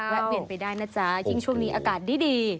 และเปลี่ยนไปได้นะเจ้ายิ่งช่วงนี้อากาศดี